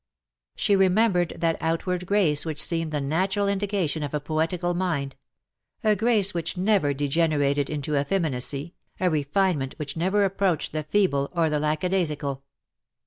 She remem bered that outward grace which seemed the natural indication of a poetical mind — a grace which never degenerated into effeminacy, a refinement which never approached the feeble or the lackadaisical.